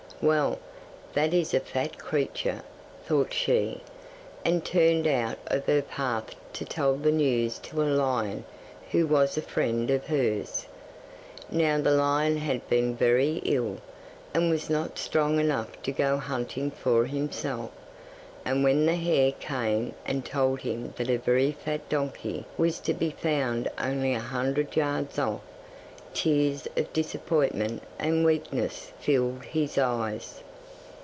'"Well, that is a fat creature," thought she, and turned out of her path to tell the news to a lion who was a friend of hers. Now the lion had been very ill, and was not strong enough to go hunting for himself, and when the hare came and told him that a very fat donkey was to be found only a few hundred yards off, tears of disappointment and weakness filled his eyes.